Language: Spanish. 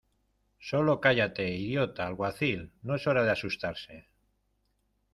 ¡ Sólo cállate, idiota! Alguacil , no es hora de asustarse.